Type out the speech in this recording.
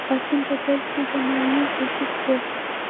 پاڅون په پیل کې د مالیې په ضد و.